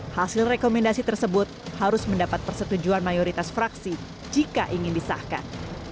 hasil rekomendasi tersebut harus mendapat persetujuan mayoritas fraksi jika ingin disahkan